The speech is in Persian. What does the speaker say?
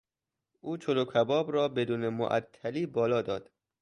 او چلوکباب را بدون معطلی بالا داد.